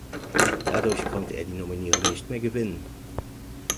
Dadurch konnte er die Nominierung nicht mehr gewinnen.